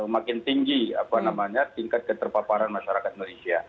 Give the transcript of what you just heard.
makin tinggi apa namanya tingkat keterpaparan masyarakat malaysia